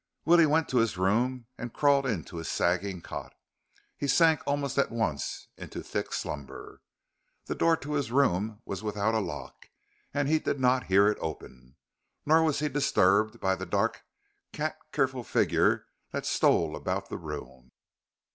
Willie went to his room and crawled into his sagging cot. He sank almost at once into thick slumber. The door to his room was without a lock, and he did not hear it open. Nor was he disturbed by the dark, cat careful figure that stole about the room.